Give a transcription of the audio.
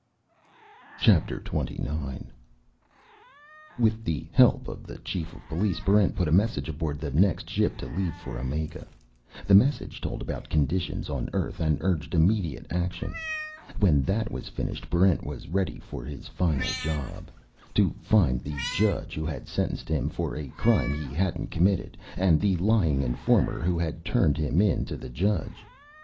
Chapter Twenty Nine With the help of the Chief of Police, Barrent put a message aboard the next ship to leave for Omega. The message told about conditions on Earth and urged immediate action. When that was finished, Barrent was ready for his final job to find the judge who had sentenced him for a crime he hadn't committed, and the lying informer who had turned him in to the judge.